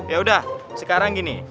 yaudah sekarang gini